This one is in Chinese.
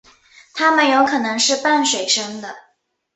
它们有可能是半水生的。